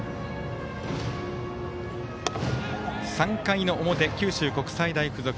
３回の表、九州国際大付属。